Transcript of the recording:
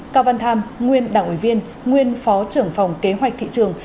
cao văn tham nguyên đảng ủy viên nguyên phó trưởng phòng kế hoạch thị trường